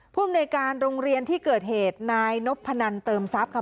ภูมิในการโรงเรียนที่เกิดเหตุนายนพนันเติมทรัพย์ค่ะ